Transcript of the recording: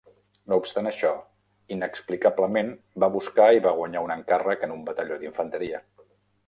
No obstant això, inexplicablement va buscar i va guanyar un encàrrec en un batalló d'infanteria.